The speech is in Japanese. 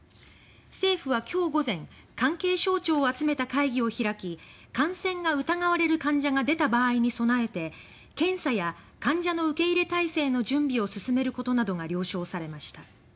政府はきょう午前関係省庁を集めた会議を開き感染が疑われる患者が出た場合に備えて検査や患者の受け入れ体制の準備を進めることなどが了承されました。